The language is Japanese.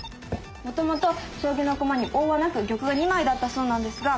もともと将棋の駒に王はなく玉が２枚だったそうなんですが。